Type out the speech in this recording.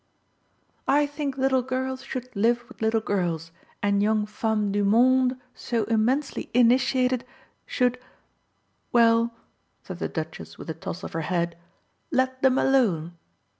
"I think little girls should live with little girls and young femmes du monde so immensely initiated should well," said the Duchess with a toss of her head, "let them alone.